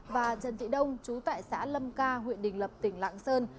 và trần thị đông chú tại xã lâm ca huyện đình lập tỉnh lạng sơn